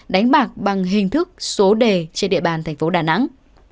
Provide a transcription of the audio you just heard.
đánh bạc bằng hình thức số đề trên địa bàn tp đà nẵng